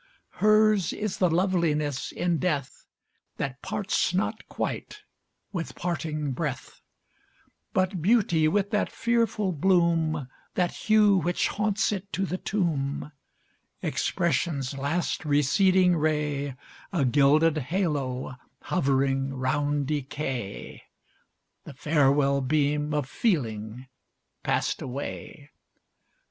Hers is the loveliness in death That parts not quite with parting breath; But beauty with that fearful bloom, That hue which haunts it to the tomb, Expression's last receding ray, A gilded halo hovering round decay, The farewell beam of Feeling passed away!